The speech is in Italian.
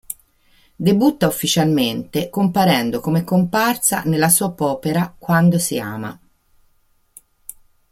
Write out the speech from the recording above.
Debutta ufficialmente comparendo come comparsa nella soap opera "Quando si ama".